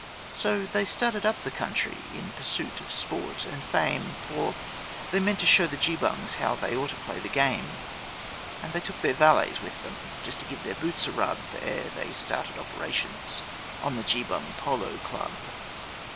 So they started up the country in pursuit of sport and fame, For they meant to show the Geebungs how they ought to play the game; And they took their valets with them just to give their boots a rub Ere they started operations on the Geebung Polo Club.